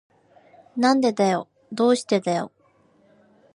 なんでだよ。どうしてだよ。